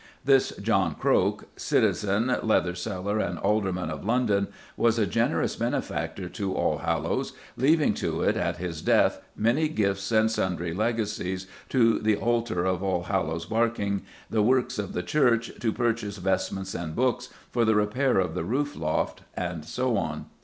This John Croke, "citizen, leather seller, and alderman of London," was a generous benefactor to Allhallows, leaving to it at his death many gifts and sundry legacies "to the altar of Allhallows Bkg., the works of the church, to purchase vestments and books, for the repair of the rood loft," and so on.